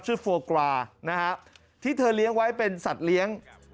โฟกวานะฮะที่เธอเลี้ยงไว้เป็นสัตว์เลี้ยง